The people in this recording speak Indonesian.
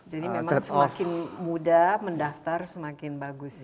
jadi memang semakin muda mendaftar semakin bagus ya